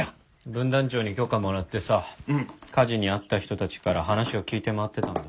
分団長に許可もらってさ火事に遭った人たちから話を聞いて回ってたんだ。